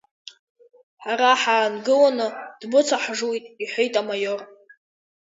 Ҳара ҳаангыланы дбыцаҳжуеит, — иҳәеит амаиор.